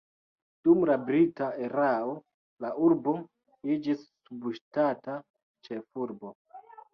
Dum la brita erao la urbo iĝis subŝtata ĉefurbo.